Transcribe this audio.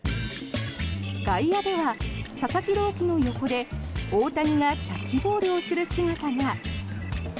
外野では佐々木朗希の横で大谷がキャッチボールをする姿が。